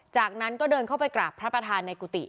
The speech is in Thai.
จากนั้นก็เดินเข้าไปกราบพระประธานในกุฏิ